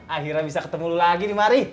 akhirnya bisa ketemu lagi nih mari